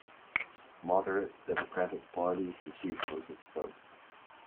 Moderate democratic parties received most of the vote.